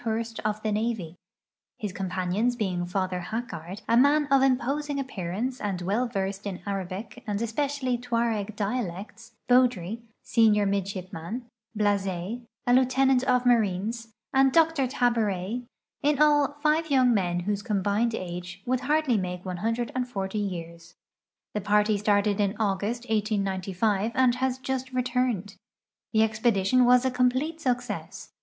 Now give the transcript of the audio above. Hourst of the navy, his companions being Father Hacquard, a man of imposing appearance and well versed in Arabic and especially Tuareg dialects ; Beaudry, senior midshipman ; Bluzet, a lieu tenant of marines, and Dr Taburet ; in all five young men whose combined ages would hardly make 140 years. The party started in August, 1895, and has just returned. The expedi tion was a complete success.